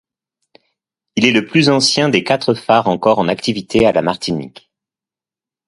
Il est le plus ancien des quatre phares encore en activité à la Martinique.